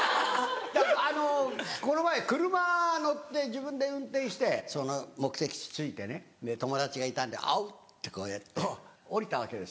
この前車乗って自分で運転してその目的地着いてね友達がいたんで「おう」ってこうやって降りたわけですよ。